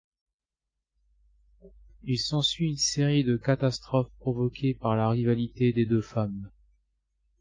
Il s'ensuit une série de catastrophes provoquées par la rivalité des deux femmes.